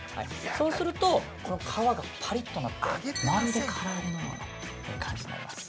そうすると、この皮がぱりっとなってまるでから揚げのような感じになります。